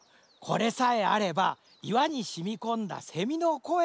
これさえあれば岩にしみこんだ蝉の声も。